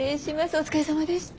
お疲れさまでした。